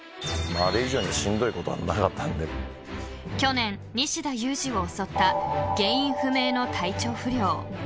去年、西田有志を襲った原因不明の体調不良。